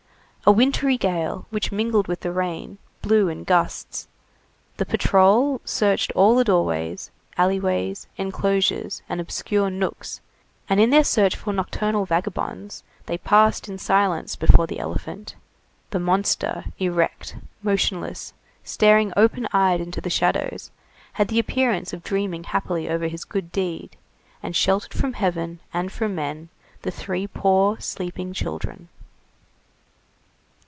A wintry gale, which mingled with the rain, blew in gusts, the patrol searched all the doorways, alleys, enclosures, and obscure nooks, and in their search for nocturnal vagabonds they passed in silence before the elephant; the monster, erect, motionless, staring open eyed into the shadows, had the appearance of dreaming happily over his good deed; and sheltered from heaven and from men the three poor sleeping children.